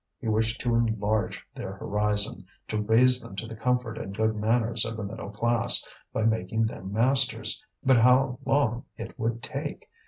He wished to enlarge their horizon, to raise them to the comfort and good manners of the middle class, by making them masters; but how long it would take!